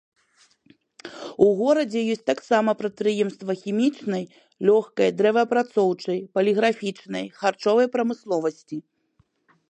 У горадзе ёсць таксама прадпрыемствы хімічнай, лёгкай, дрэваапрацоўчай, паліграфічнай, харчовай прамысловасці.